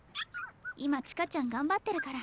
今千歌ちゃん頑張ってるから。